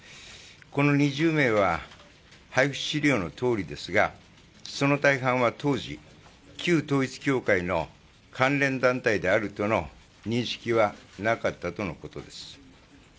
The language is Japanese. この２０名は配付資料のとおりですが、その大半は当時、旧統一教会の関連団体であるとの認識はなかったとのことです。